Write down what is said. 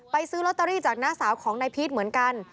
ซื้อลอตเตอรี่จากน้าสาวของนายพีชเหมือนกัน